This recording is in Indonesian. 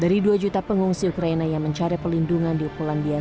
dari dua juta pengungsi ukraina yang mencari pelindungan di polandia